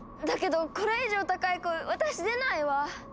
だけどこれ以上高い声私出ないわ！